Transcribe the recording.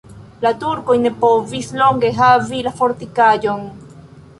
La turkoj ne povis longe havi la fortikaĵon.